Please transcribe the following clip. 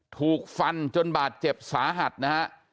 ถูกฟันจนบาดเจ็บสาหัสนะฮะ